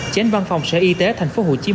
trên văn phòng sở y tế thành phố hồ chí minh